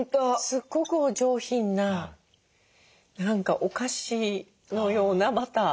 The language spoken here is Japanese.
すっごくお上品な何かお菓子のようなバター。